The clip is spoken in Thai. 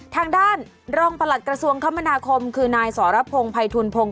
ทางด้านรองประหลัดกระทรวงคมนาคมคือนายสรพงศ์ภัยทูลพงศ